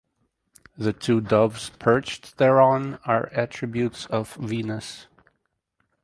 The two doves perched thereon are attributes of Venus.